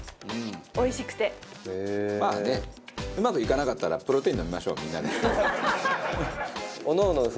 まあねうまくいかなかったらプロテイン飲みましょうみんなで。